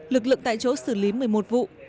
lực lượng tại chỗ xử lý một mươi một vụ